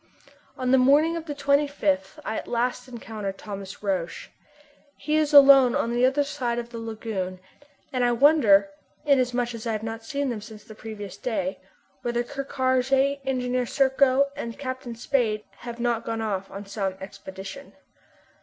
On the morning of the 25th I at last encounter Thomas Roch. He is alone on the other side of the lagoon, and I wonder, inasmuch as I have not seen them since the previous day, whether Ker Karraje, Engineer Serko, and Captain Spade have not gone off on some expedition.